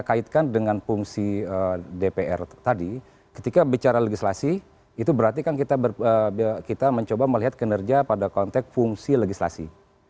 kaitkan dengan fungsi dpr tadi ketika bicara legislasi itu berarti kan kita mencoba melihat kinerja pada konteks fungsi legislasi